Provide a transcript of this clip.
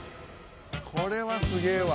「これはすげえわ」